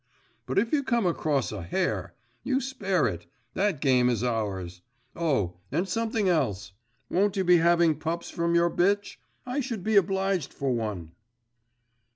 But if you come across a hare you spare it; that game is ours. Oh, and something else! won't you be having pups from your bitch? I should be obliged for one!